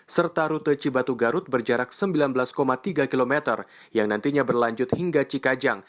serta rute cibatu garut berjarak sembilan belas tiga km yang nantinya berlanjut hingga cikajang